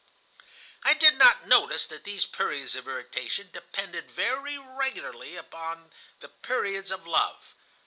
"I did not notice that these periods of irritation depended very regularly upon the periods of love.